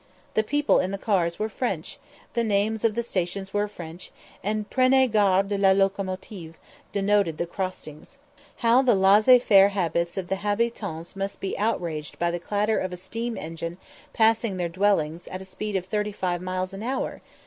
The people in the cars were French, the names of the stations were French, and "Prenez garde de la locomotive!" denoted the crossings. How the laissez faire habits of the habitans must he outraged by the clatter of a steam engine passing their dwellings at a speed of thirty five miles an hour!